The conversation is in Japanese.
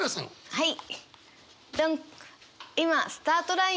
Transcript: はい。